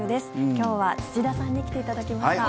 今日は土田さんに来ていただきました。